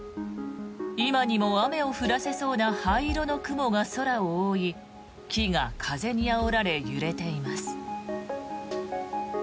今にも雨を降らせそうな灰色の雲が空を覆い木が風にあおられ揺れています。